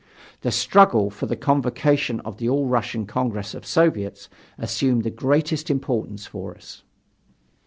The struggle for the convocation of the All Russian Congress of Soviets assumed the greatest importance for us.